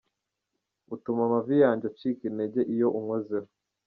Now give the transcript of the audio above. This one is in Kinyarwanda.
Utuma amavi yanjye acika intege iyo unkozeho.